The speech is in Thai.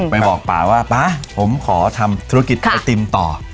ไปบอกป่าว่าป๊าผมขอทำธุรกิจไอติมต่อ